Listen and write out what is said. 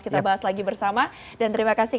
kita bahas lagi bersama dan terima kasih